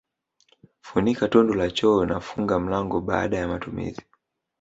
Funika tundu la choo na funga mlango baada ya matumizi